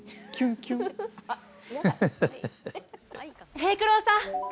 平九郎さん！